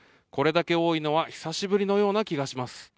これだけ多いのは久しぶりのような気がします。